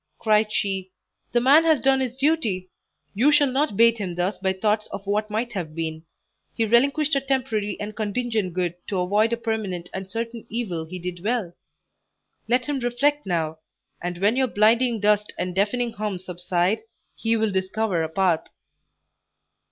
cried she; "the man has done his duty; you shall not bait him thus by thoughts of what might have been; he relinquished a temporary and contingent good to avoid a permanent and certain evil he did well. Let him reflect now, and when your blinding dust and deafening hum subside, he will discover a path."